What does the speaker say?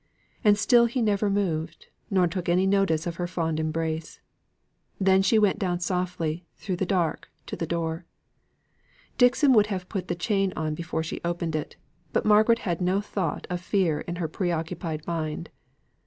And still he never moved, nor took any notice of her fond embrace. Then she went down softly, through the dark, to the door. Dixon would have put the chain on before she opened it, but Margaret had not a thought of fear in her pre occupied mind.